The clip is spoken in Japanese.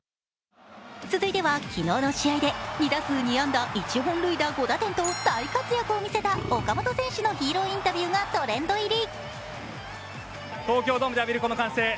続いては、昨日の試合で２打数２安打１本塁打５打点と大活躍を見せた岡本選手のヒーローインタビューがトレンド入り。